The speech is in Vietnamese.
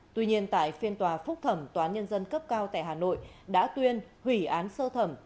tuy nhiên tại phiên tòa phúc thẩm tòa án nhân dân cấp cao tại hà nội đã tuyên hủy án sơ thẩm